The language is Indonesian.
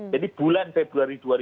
jadi bulan februari dua ribu dua puluh